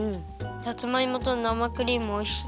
さつまいもとなまクリームおいしい。